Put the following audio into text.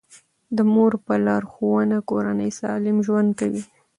د مور په لارښوونه کورنۍ سالم ژوند کوي.